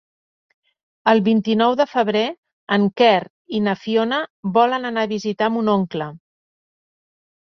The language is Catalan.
El vint-i-nou de febrer en Quer i na Fiona volen anar a visitar mon oncle.